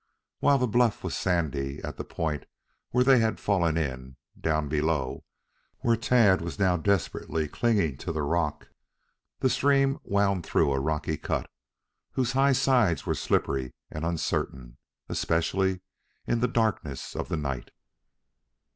While the bluff was sandy at the point where they had fallen in, down below, where Tad was now desperately clinging to the rock, the stream wound through a rocky cut, whose high sides were slippery and uncertain, especially in the darkness of the night.